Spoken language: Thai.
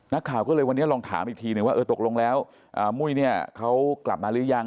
นักข่าวก็เลยวันนี้ลองถามอีกทีนึงว่าเออตกลงแล้วมุ้ยเนี่ยเขากลับมาหรือยัง